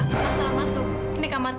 kamu salah masuk ini kamar tiga ratus tiga